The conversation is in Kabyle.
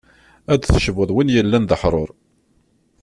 Ad d-tecbuḍ win yellan d aḥrur.